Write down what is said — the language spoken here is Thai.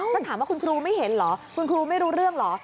คุณคุณครูไม่เห็นเหรอคุณไม่รู้เรื่องเหรอ